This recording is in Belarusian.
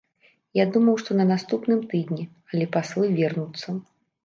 Я думаў, што на наступным тыдні, алі паслы вернуцца.